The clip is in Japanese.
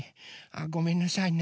ごめんなさいね。